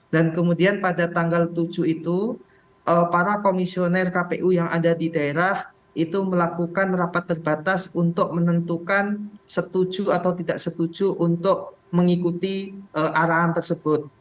dan kemudian pada tanggal tujuh itu para komisioner kpu yang ada di daerah itu melakukan rapat terbatas untuk menentukan setuju atau tidak setuju untuk mengikuti arahan tersebut